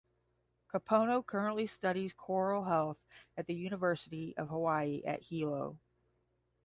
Kapono currently studies coral health at the University of Hawaii at Hilo.